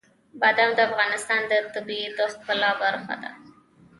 بادام د افغانستان د طبیعت د ښکلا برخه ده.